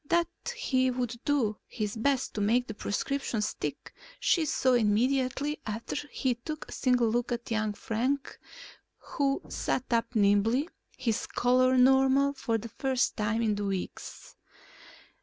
That he would do his best to make the prescription stick she saw immediately after he took a single look at young Frank who sat up nimbly, his color normal for the first time in weeks.